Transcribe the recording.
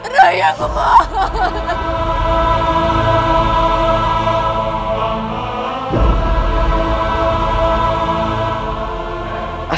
rai aku ingin menemuinya